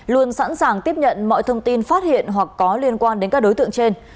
luôn sẵn sàng tiếp nhận mọi thông tin phát hiện hoặc có liên quan đến các đối tượng trên